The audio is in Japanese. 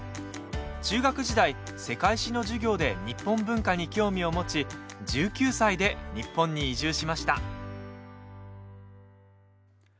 中学時代、世界史の授業で日本文化に興味を持ち１９歳で日本に移住しました。